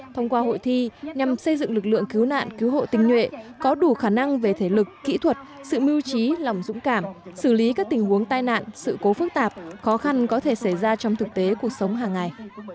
thông qua hội thi nhằm xây dựng lực lượng cứu nạn cứu hộ tinh nhuệ có đủ khả năng về thể lực kỹ thuật sự mưu trí lòng dũng cảm xử lý các tình huống tai nạn sự cố phức tạp khó khăn có thể xảy ra trong thực tế cuộc sống hàng ngày